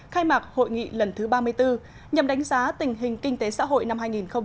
khai mạc hội nghị lần thứ ba mươi bốn nhằm đánh giá tình hình kinh tế xã hội năm hai nghìn hai mươi